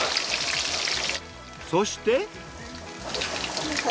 そして。